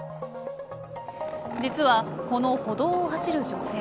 実は、この歩道を走る女性。